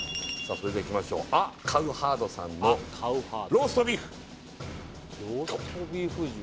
それではいきましょうあ・かうはーどさんのローストビーフカム！